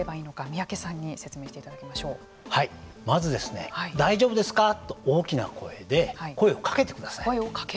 三宅さんにまず、大丈夫ですかと大きな声で声をかけてください。